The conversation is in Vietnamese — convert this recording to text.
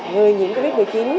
người nhiễm covid một mươi chín